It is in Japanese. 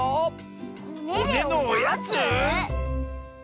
ほねのおやつ？